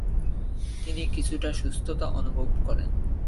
তিনি কিছুটা সুস্থতা অনুভব করেন।